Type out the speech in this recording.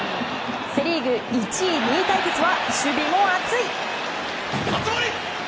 セ・リーグ１位、２位対決は守備も熱い！